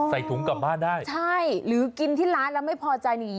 ใส่ถุงกลับบ้านได้ใช่หรือกินที่ร้านแล้วไม่พอใจหนี